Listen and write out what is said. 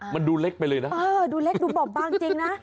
มันดูเล็กไปเลยนะเออดูเล็กดูบอบบางจริงนะ